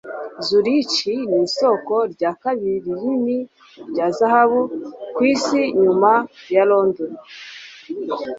zurich ni isoko rya kabiri rinini rya zahabu ku isi nyuma ya london